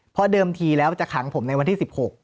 เพราะเดิมทีแล้วจะขังผมในวันที่๑๖